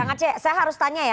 kang aceh saya harus tanya ya